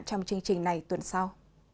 trong chương trình này tuần sau